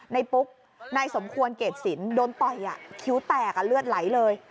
ปุ๊กนายสมควรเกรดสินโดนต่อยคิ้วแตกเลือดไหลเลย